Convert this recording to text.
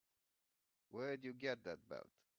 Where'd you get that belt?